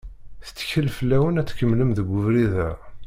Tettkel fell-awen ad tkemlem deg ubrid-a.